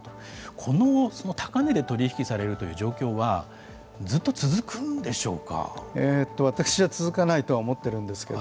この高値で取り引きされるという状況は私は続かないとは思ってるんですけど。